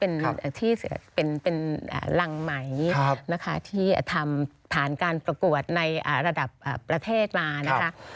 อันนี้เป็นรังใหม่ที่ทำผ่านการประกวดในระดับประเภทมานะครับ